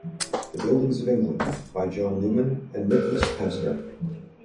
The Buildings of England by John Newman and Nikolaus Pevsner.